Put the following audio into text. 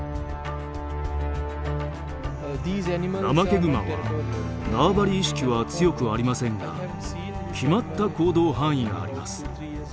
ナマケグマは縄張り意識は強くありませんが決まった行動範囲があります。